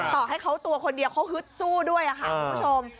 ต่อให้เขาตัวคนเดียวเขาฮึดสู้ด้วยค่ะคุณผู้ชม